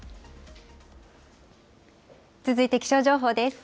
続いて気象情報です。